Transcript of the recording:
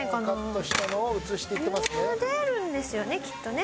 茹でるんですよねきっとね。